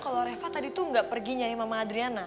kalau reva tadi tuh nggak pergi nyanyi mama adriana